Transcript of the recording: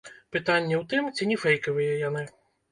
Пытанне ў тым, ці не фэйкавыя яны.